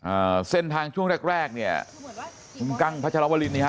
อ่าเส้นทางช่วงแรกแรกเนี่ยคุณกั้งพัชรวรินนี่ฮะ